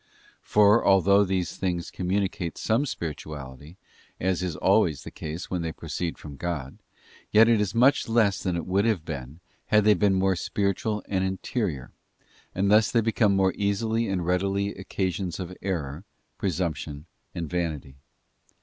For, although these things communicate some spirituality, as is always the case when they proceed from God, yet it is much less than it would have been, had they been more spiritual and interior; and thus they become more easily and readily occasions of error, presumption, and vanity.